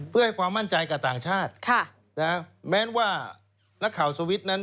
เพื่อให้ความมั่นใจกับต่างชาติแม้ว่านักข่าวสวิตช์นั้น